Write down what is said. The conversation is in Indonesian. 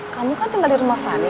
kamu kan tinggal di rumah fani